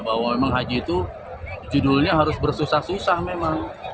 bahwa memang haji itu judulnya harus bersusah susah memang